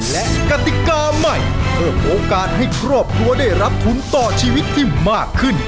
และกติกาใหม่เพิ่มโอกาสให้ครอบครัวได้รับทุนต่อชีวิตที่มากขึ้น